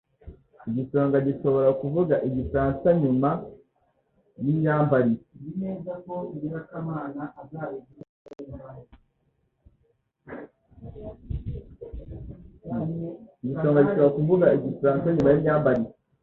Igisonga gishobora kuvuga igifaransa nyuma yimyambarire.